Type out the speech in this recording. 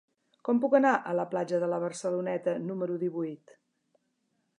Com puc anar a la platja de la Barceloneta número divuit?